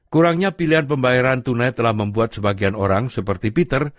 kurangnya pilihan pembayaran tunai telah membuat sebagian orang seperti peter